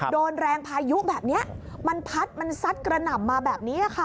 โดนแรงพายุแบบนี้มันพัดมันซัดกระหน่ำมาแบบนี้ค่ะ